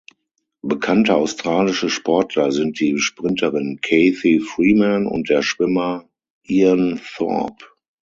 Bekannte australische Sportler sind die Sprinterin Cathy Freeman und der Schwimmer Ian Thorpe.